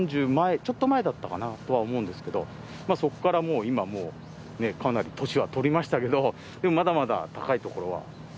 前ちょっと前だったかなとは思うんですけどそこからもう今ねえかなり年は取りましたけど。